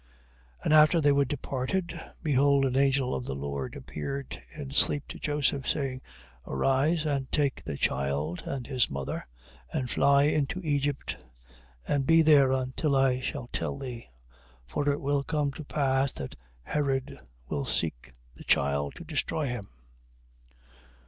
2:13. And after they were departed, behold an angel of the Lord appeared in sleep to Joseph, saying: Arise, and take the child and his mother, and fly into Egypt: and be there until I shall tell thee. For it will come to pass that Herod will seek the child to destroy him.